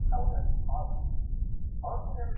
লাবণ্যর চোখ অর্ধেক বোজা, কোণ দিয়ে জল গড়িয়ে পড়ছে।